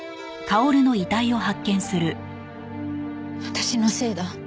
私のせいだ。